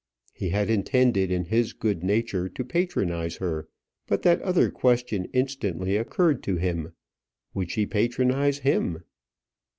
He had intended in his good nature to patronise her; but that other question instantly occurred to him would she patronise him?